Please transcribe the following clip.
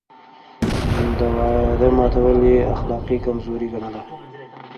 د وعدو ماتول يې اخلاقي کمزوري ګڼله.